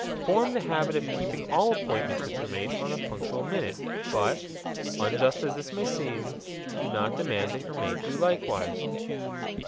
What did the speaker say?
Form the habit of keeping all appointments with your mate on the punctual minute. But (unjust as this may seem) do not demand that your mate do likewise.